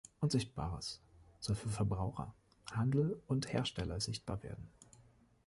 Unsichtbares soll für Verbraucher, Handel und Hersteller sichtbar werden.